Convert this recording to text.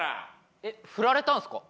えっフラれたんですか？